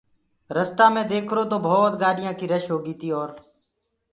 رستآ مي ديکرو تو ڀوتَ گآڏيآنٚ ڪي رش هوگيٚ تيٚ اور